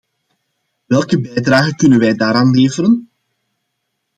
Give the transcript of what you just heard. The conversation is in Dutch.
Welke bijdrage kunnen wij daaraan leveren?